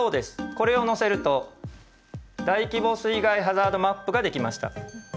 これを載せると大規模水害ハザードマップが出来ました。